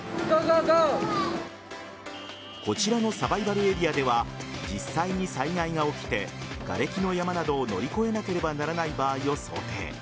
こちらのサバイバルエリアでは実際に災害が起きてがれきの山などを乗り越えなければならない場合を想定。